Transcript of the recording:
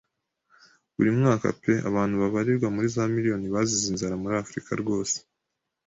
Buri mwaka pe abantu babarirwa muri za miriyoni bazize inzara muri Afurika rwose